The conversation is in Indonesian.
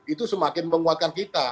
itu semakin menguatkan kita